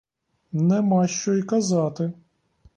Нема що й казати.